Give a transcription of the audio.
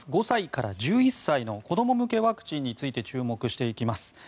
５歳から１１歳の子ども向けワクチンについて注目していきます。